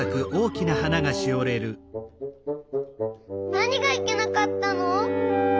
なにがいけなかったの！？